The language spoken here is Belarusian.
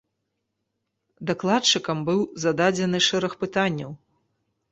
Дакладчыкам быў зададзены шэраг пытанняў.